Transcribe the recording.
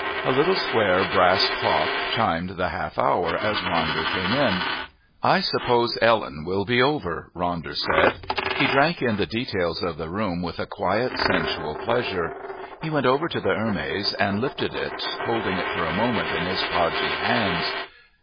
A little square brass clock chimed the half hour as Ronder came in. "I suppose Ellen will be over," Ronder said. He drank in the details of the room with a quite sensual pleasure. He went over to the Hermes and lifted it, holding it for a moment in his podgy hands.